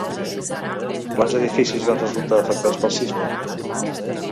Quants edificis van resultar afectats pel sisme?